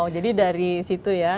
jadi dari situ ya